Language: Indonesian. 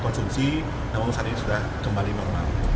konsumsi namun saat ini sudah kembali normal